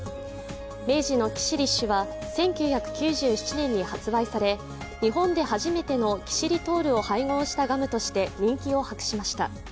明治のキシリッシュは１９９７年に発売され日本で初めてのキシリトールを配合したガムとして人気を博しました。